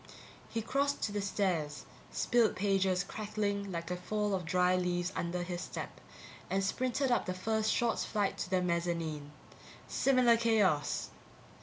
_ He crossed to the stairs, spilled pages crackling like a fall of dry leaves under his step, and sprinted up the first short flight to the mezzanine. Similar chaos!